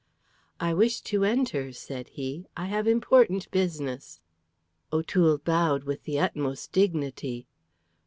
"I wish to enter," said he. "I have important business." O'Toole bowed with the utmost dignity.